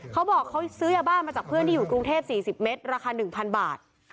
เขาบอกเขาซื้อยาบ้ามาจากเพื่อนที่อยู่กรุงเทพ๔๐เมตรราคา๑๐๐บาท